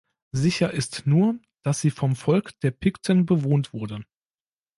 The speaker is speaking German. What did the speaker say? Sicher ist nur, dass sie vom Volk der Pikten bewohnt wurde.